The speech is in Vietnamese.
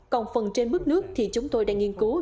còn phần trên mức nước thì chúng tôi đang nghiên cứu